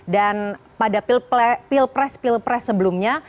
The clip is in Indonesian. dan pada pilpres pilpres sebelumnya